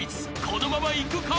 このままいくか？］